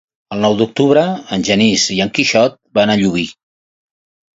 El nou d'octubre en Genís i en Quixot van a Llubí.